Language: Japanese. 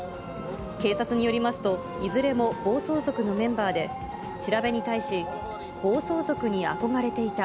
警察によりますと、いずれも暴走族のメンバーで、調べに対し、暴走族に憧れていた。